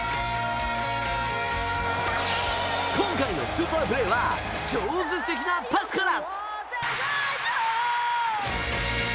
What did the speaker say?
今回のスーパープレーは超絶的なパスから！